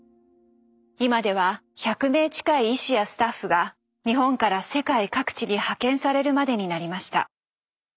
今では１００名近い医師やスタッフが日本から世界各地に派遣されるまでになりました。